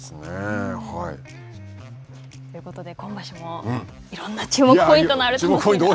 ということで、今場所もいろんな注目ポイントのある。